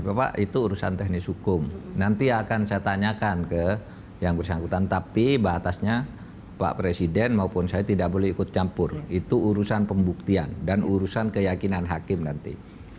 bapak itu urusan teknis hukum nanti akan saya tanyakan ke yang bersangkutan tapi batasnya pak presiden maupun saya tidak boleh ikut campur itu urusan pembuktian dan urusan keyakinan hakim nanti